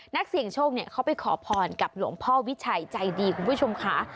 นักเสี่ยงโชคเขาไปขอพรกับหลวงพ่อวิชัยใจดีคุณผู้ชมค่ะ